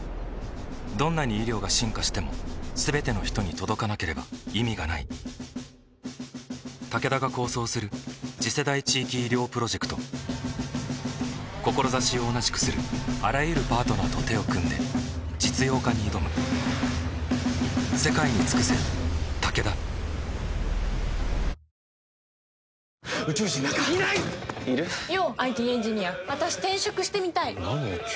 どんなに医療が進化しても全ての人に届かなければ意味がないタケダが構想する次世代地域医療プロジェクト志を同じくするあらゆるパートナーと手を組んで実用化に挑むあの人ずっとひとりでいるのだ